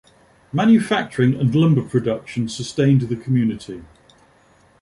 Manufacturing and lumber production sustained the community.